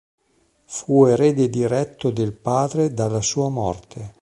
Fu erede diretto del padre dalla sua morte.